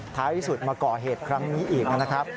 ท้ายที่สุดมาก่อเหตุครั้งนี้อีกนะครับ